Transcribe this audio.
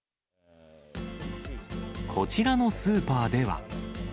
こちらのスーパーでは。